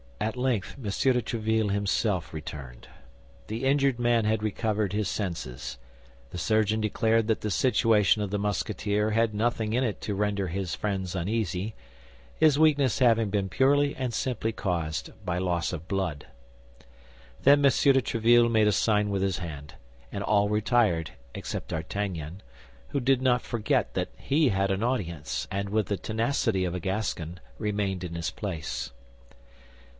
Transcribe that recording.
At length, M. de Tréville himself returned. The injured man had recovered his senses. The surgeon declared that the situation of the Musketeer had nothing in it to render his friends uneasy, his weakness having been purely and simply caused by loss of blood. Then M. de Tréville made a sign with his hand, and all retired except D'Artagnan, who did not forget that he had an audience, and with the tenacity of a Gascon remained in his place.